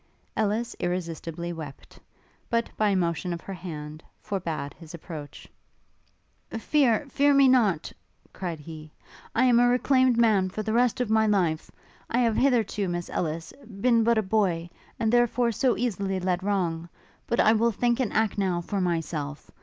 Ellis irresistibly wept, but, by a motion of her hand, forbad his approach. 'Fear, fear me not!' cried he, 'I am a reclaimed man for the rest of my life! I have hitherto, Miss Ellis, been but a boy, and therefore so easily led wrong. But I will think and act, now, for myself.